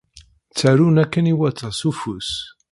Ttarun akken iwata s ufus.